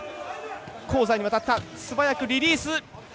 香西に渡った、素早くリリース。